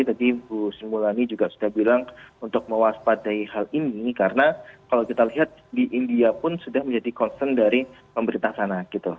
tadi bu simulani juga sudah bilang untuk mewaspadai hal ini karena kalau kita lihat di india pun sudah menjadi concern dari pemerintah sana